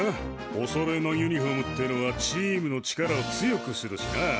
おそろいのユニフォームってのはチームの力を強くするしな。